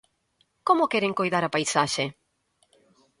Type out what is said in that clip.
¿Como queren coidar a paisaxe?